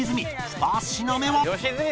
２品目は？